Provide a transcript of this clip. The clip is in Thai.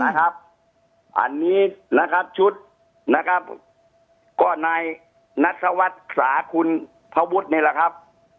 นะครับอันนี้นะครับชุดนะครับก็ในนัสวัสดิ์สาหคุณพวุฒินี่แหละครับ